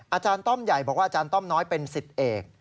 ต้อมใหญ่บอกว่าอาจารย์ต้อมน้อยเป็นสิทธิ์เอก